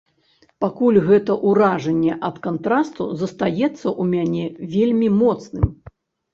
Пакуль гэта ўражанне ад кантрасту застаецца ў мяне вельмі моцным.